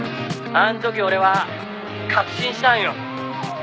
「あん時俺は確信したんよ」